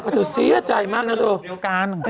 กะโถยเสียใจมากนะเถอะ